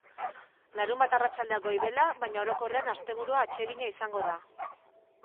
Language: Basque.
Larunbat arratsaldea goibela, baina orokorrean asteburua atsegina izango da.